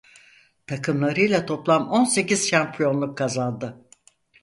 Takımlarıyla toplam on sekiz şampiyonluk kazandı.